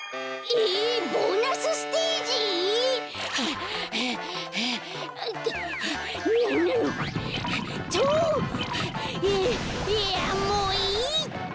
えっいやもういいって！